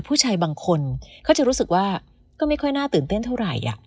ผู้ชายบางคนเขาจะรู้สึกว่าก็ไม่ค่อยน่าตื่นเต้นเท่าไหร่